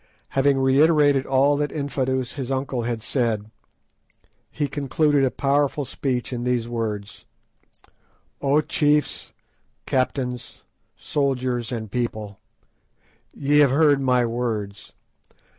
Having reiterated all that Infadoos his uncle had said, he concluded a powerful speech in these words:— "O chiefs, captains, soldiers, and people, ye have heard my words.